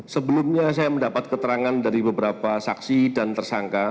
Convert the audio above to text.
sebelumnya saya mendapat keterangan dari beberapa saksi dan tersangka